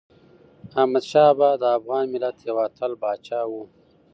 احمدشاه بابا د افغان ملت یو اتل پاچا و.